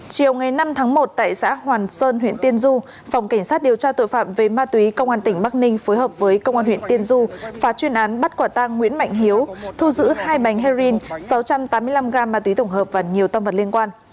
chiều ngày năm tháng một tại xã hoàn sơn huyện tiên du phòng cảnh sát điều tra tội phạm về ma túy công an tỉnh bắc ninh phối hợp với công an huyện tiên du phá chuyên án bắt quả tang nguyễn mạnh hiếu thu giữ hai bánh heroin sáu trăm tám mươi năm gam ma túy tổng hợp và nhiều tâm vật liên quan